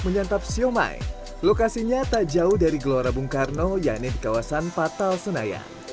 menyantap siomay lokasinya tak jauh dari gorabung karno yang di kawasan patal senayan